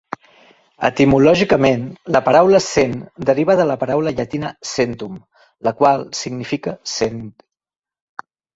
Etimològicament, la paraula "cent" deriva de la paraula llatina "centum", la qual significa "cent".